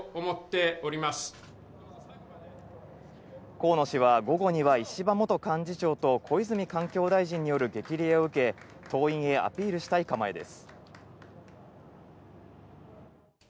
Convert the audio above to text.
河野氏は午後には石破元幹事長と小泉環境大臣による激励を受け、党員へアピールしたい構えです。